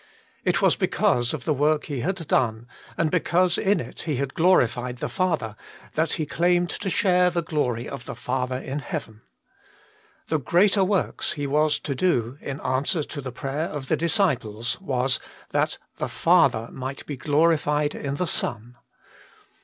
It was be cause of the work He had done, and because in it He had glorified the Father, that He claimed to share the glory of tlie Father in heaven. The greater works He was to do in answer to the prayer of the disciples was, that the Father might be glorified in the Son.